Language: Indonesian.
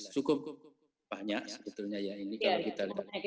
cukup banyak sebetulnya ya ini kalau kita lihat